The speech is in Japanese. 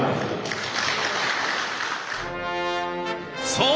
そう！